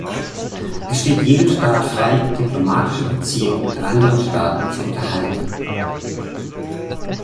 Es steht jedem Staat frei, diplomatische Beziehungen mit anderen Staaten zu unterhalten.